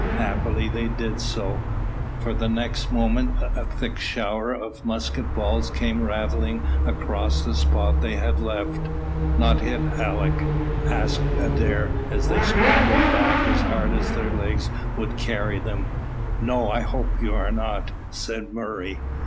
Happily they did so, for the next moment a thick shower of musket balls came rattling across the spot they had left. "Not hit, Alick?" asked Adair, as they scampered back as hard as their legs would carry them. "No; I hope you are not," said Murray.